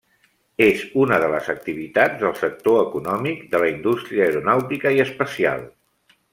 És una de les activitats del sector econòmic de la indústria aeronàutica i espacial.